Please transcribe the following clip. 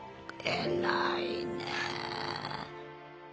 偉いね。